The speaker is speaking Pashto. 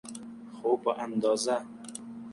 خو په اندازه.